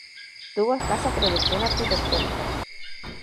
Tuvo escasa producción arquitectónica.